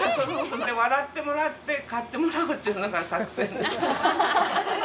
笑ってもらって、買ってもらおうというのが作戦です。